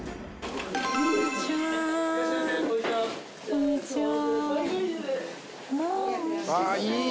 こんにちは。